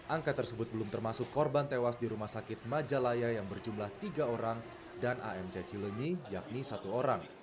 angka tersebut belum termasuk korban tewas di rumah sakit majalaya yang berjumlah tiga orang dan amc cilenyi yakni satu orang